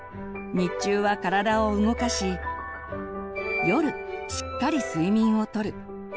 日中は体を動かし夜しっかり睡眠をとる。